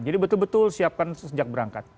jadi betul betul siapkan sejak berangkat